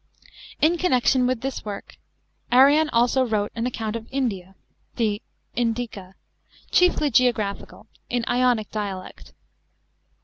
In connection with this work, Arrian also wrote an account of India (the Indict t) chiefly geographical, in Ionic dialect.